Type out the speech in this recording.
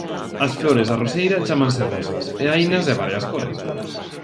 As flores da roseira chámanse rosas, e hainas de varias cores.